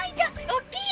おっきい！